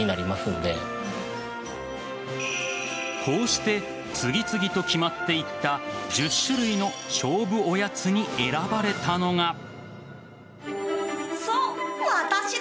こうして次々と決まっていった１０種類の勝負おやつに選ばれたのが。